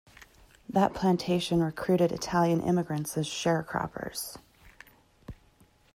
That plantation recruited Italian immigrants as sharecroppers.